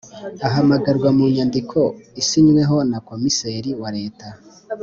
ahamagarwa mu nyandiko isinyweho nakomiseri wa leta